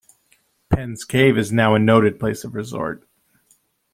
Penns Cave is now a noted place of resort.